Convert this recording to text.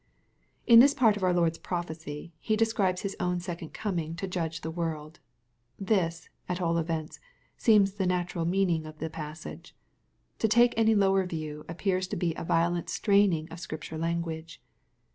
In this part of our Lord's prophecy. He describes Hia own second coming, to judge the world. This, at all events, seems the natural meaning of the passage. To take any lower view appears to be a violent straining of Scripture language.